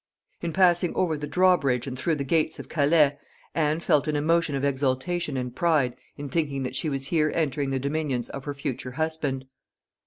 In passing over the drawbridge and through the gates of Calais, Anne felt an emotion of exultation and pride in thinking that she was here entering the dominions of her future husband.